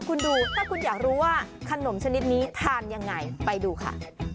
คุณดูถ้าคุณอยากรู้ว่าขนมชนิดนี้ทานยังไงไปดูค่ะ